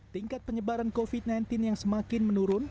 tingkat penyebaran covid sembilan belas yang semakin menurun